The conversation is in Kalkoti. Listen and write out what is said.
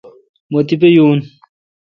مہ تیپہ یون۔